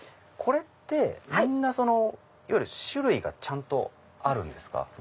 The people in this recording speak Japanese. これってみんないわゆる種類がちゃんとあるんですか？